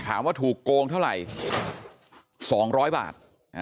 ถามว่าถูกโกงเท่าไหร่๒๐๐บาท